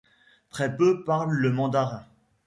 Très peu parlent le mandarin.